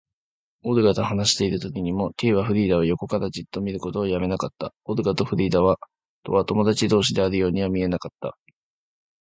オルガと話しているときにも、Ｋ はフリーダを横からじっと見ることをやめなかった。オルガとフリーダとは友だち同士であるようには見えなかった。